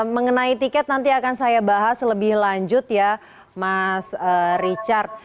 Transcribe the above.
mengenai tiket nanti akan saya bahas lebih lanjut ya mas richard